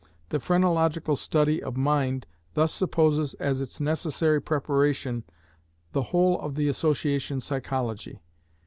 The phrenological study of Mind thus supposes as its necessary preparation the whole of the Association psychology.